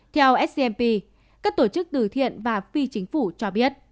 theo smp các tổ chức từ thiện và phi chính phủ cho biết